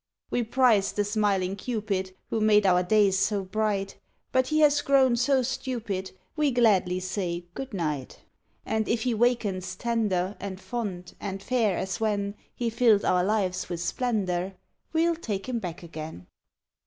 We prized the smiling Cupid Who made our days so bright; But he has grown so stupid We gladly say good night. And if he wakens tender And fond, and fair as when He filled our lives with splendor, We'll take him back again.